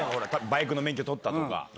バイクの免許取った！とか？